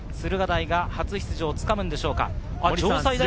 初出場をつかむでしょうか。